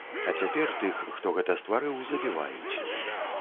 А цяпер тых, хто гэта стварыў, забіваюць.